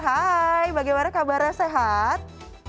hai bagaimana kabarnya sehat